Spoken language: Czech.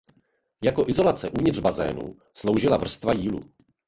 Jako izolace uvnitř bazénu sloužila vrstva jílu.